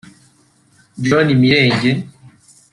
John Mirenge